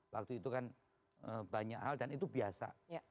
waktu itu kan banyak hal dan itu biasa